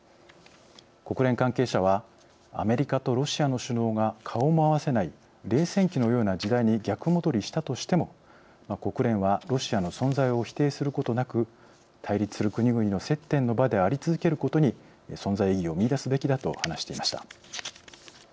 国連関係者はアメリカとロシアの首脳が顔も合わせない冷戦期のような時代に逆戻りしたとしても国連はロシアの存在を否定することなく対立する国々の接点の場であり続けることに存在意義を見いだすべきだと話していました。